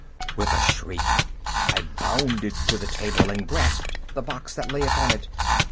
With a shriek I bounded to the table, and grasped the box that lay upon it.